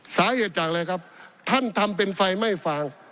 สาเหตุจากอะไรครับท่านทำเป็นไฟไม่ฟาง